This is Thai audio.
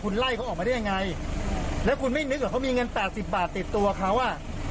คุณไล่เขาออกมาได้ยังไงแล้วคุณไม่นึกว่าเขามีเงินแปดสิบบาทติดตัวเขาอ่ะ